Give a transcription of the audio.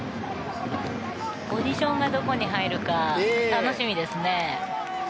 ポジションがどこに入るか楽しみですね。